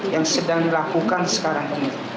yang sedang dilakukan sekarang ini